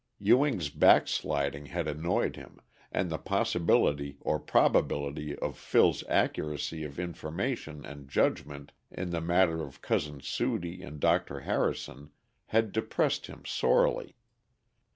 Ewing's backsliding had annoyed him, and the possibility or probability of Phil's accuracy of information and judgment in the matter of Cousin Sudie and Dr. Harrison had depressed him sorely.